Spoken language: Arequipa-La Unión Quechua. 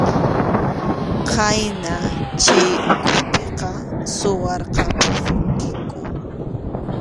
Khaynan chay ukhupiqa suwarqapusunkiku.